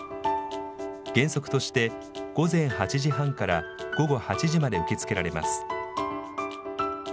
原則として、午前８時半から午後８時まで受け付けられます。